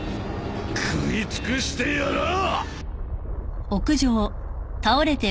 食い尽くしてやらぁ！